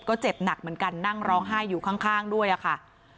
ก็เจ็บหนักเหมือนกันนั่งร้องไห้อยู่ข้างด้วยอะค่ะ